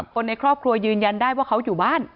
คนในครอบครัวยืนยันได้ว่าเขาอยู่บ้าน